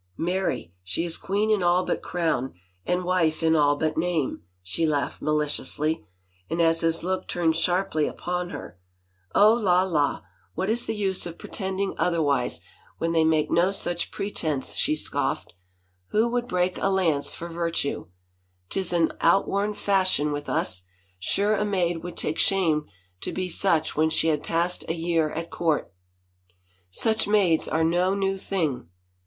" Marry, she is queen in all but crown and wife in all but name," she laughed maliciously and as his look turned sharply upon her, " Oh, la, la ! What is the use 218 LADY ANNE ROCHFORD of pretending otherwise, when they make no such pre tense?" she scoffed. "Who would break a lance /or virtue? Tis an outworn fashion with us — sure a maid would take shame to be such when she had passed a year at court!" " Such maids are no new thing."